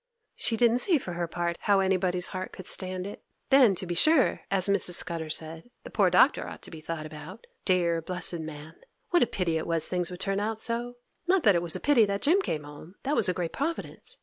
She didn't see for her part how anybody's heart could stand it. Then, to be sure, as Mrs. Scudder said, the poor Doctor ought to be thought about. Dear, blessed man! What a pity it was things would turn out so! Not that it was a pity that Jim came home! That was a great providence!